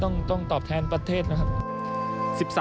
ต้องตอบแทนประเทศนะครับ